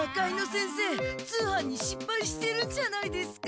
先生通販にしっぱいしてるじゃないですか。